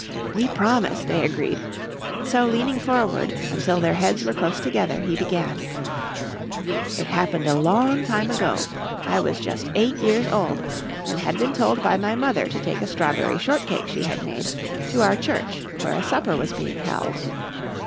"We promise," they agreed, so leaning forward, until their heads were close together, he began: "It happened a long time ago. I was just eight years old, and had been told by my mother to take a strawberry shortcake she had made, to our church where a supper was being held."